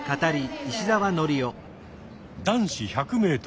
男子１００ｍ。